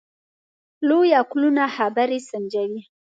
لوی عقلونه خبرې سنجوي.